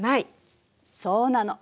そうなの。